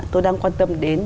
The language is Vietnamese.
tôi đang quan tâm đến